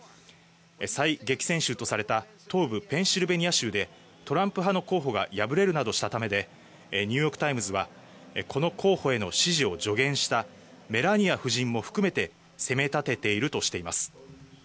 最激戦州とされた東部ペンシルベニア州で、トランプ派の候補が敗れるなどしたためで、ニューヨーク・タイムズは、この候補への支持を助言したメラニア夫人も含めて、責め立てているとしています。